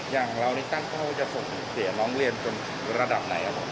อย่างเหล่านี้ตั้งพ่อจะส่งเด็กน้องเรียนจนถึงระดับไหนครับ